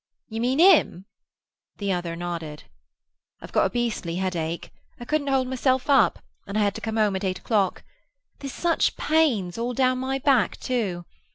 "You mean him?" The other nodded. "I've got a beastly headache. I couldn't hold myself up, and I had to come home at eight o'clock. There's such pains all down my back too.